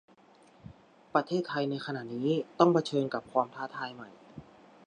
ประเทศไทยในขณะนี้ต้องเผชิญกับความท้าทายใหม่